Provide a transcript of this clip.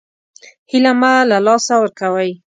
هیله مه له لاسه ورکوئ